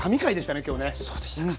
そうでしたか。